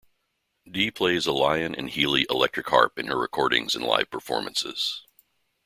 Dee plays a Lyon and Healy electric harp in her recordings and live performances.